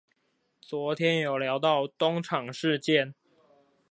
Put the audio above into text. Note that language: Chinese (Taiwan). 昨天有聊到東廠事件